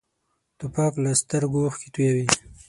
توپک له سترګو اوښکې تویوي.